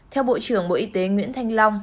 theo bộ trưởng bộ y tế nguyễn thanh long